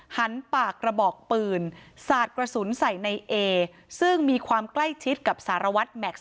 หันปากกระบอกปืนสาดกระสุนใส่ในเอซึ่งมีความใกล้ชิดกับสารวัตรแม็กซ์